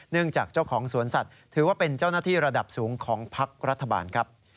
จากเจ้าของสวนสัตว์ถือว่าเป็นเจ้าหน้าที่ระดับสูงของพักรัฐบาลครับ